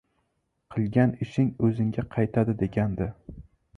“Qilgan ishing oʻzingga qaytadi”, degandi.